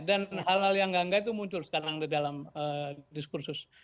dan hal hal yang enggak enggak itu muncul sekarang di dalam diskursus